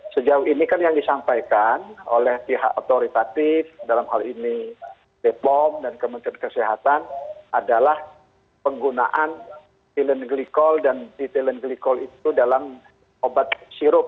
sejauh ini kan yang disampaikan oleh pihak otoritatif dalam hal ini bepom dan kementerian kesehatan adalah penggunaan phylene glycol dan ditilen glikol itu dalam obat sirup